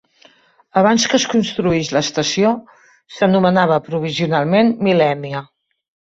Abans que es construís l'estació, s'anomenava provisionalment Millenia.